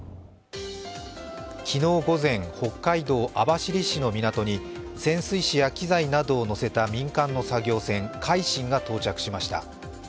昨日午前、北海道網走市の港に潜水士や機材などを載せた民間の作業船「海進」が到着しました。